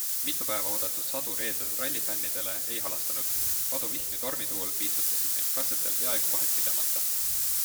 Mitu päeva oodatud sadu reedel rallifännidele ei halastanud - paduvihm ja tormituul piitsutasid neid katsetel peaaegu vahetpidamata.